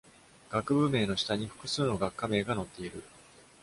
学部名の下に複数の学科名が載っている。